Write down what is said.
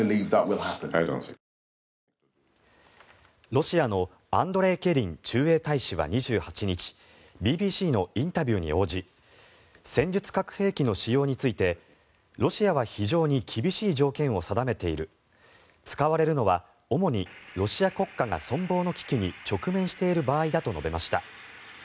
ロシアのアンドレイ・ケリン駐英大使は２８日ＢＢＣのインタビューに応じ戦術核兵器の使用についてロシアは非常に厳しい条件を定めている使われるのは主にロシア国家が存亡の危機に直面している場合だと述べました。